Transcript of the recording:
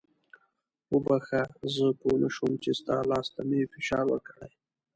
وبخښه زه پوه نه شوم چې ستا لاس ته مې فشار ورکړی.